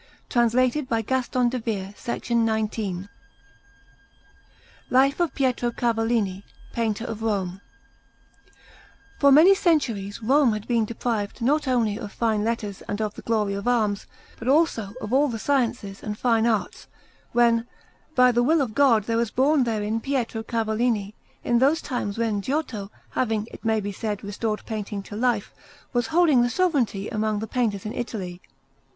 Massa Marittima: Municipio)] PIETRO CAVALLINI LIFE OF PIETRO CAVALLINI, PAINTER OF ROME For many centuries Rome had been deprived not only of fine letters and of the glory of arms but also of all the sciences and fine arts, when, by the will of God, there was born therein Pietro Cavallini, in those times when Giotto, having, it may be said, restored painting to life, was holding the sovereignty among the painters in Italy.